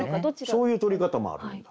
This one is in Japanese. そういうとり方もある。